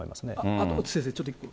あと先生、ちょっと一個。